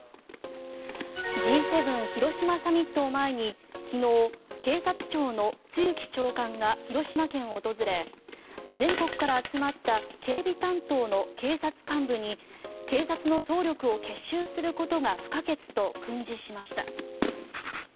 Ｇ７広島サミットを前に昨日警察庁の露木長官が広島県を訪れ全国から集まった警備担当の警察幹部に警察の総力を結集することが不可欠と訓示しました。